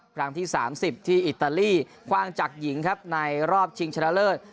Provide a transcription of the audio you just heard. ครั้งที่๓๐ที่อิตาลีคว่างจากหญิงครับในรอบชิงชนะเลิศ